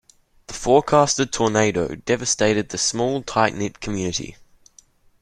The forecasted tornado devastated the small tight-knit community.